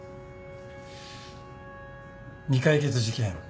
未解決事件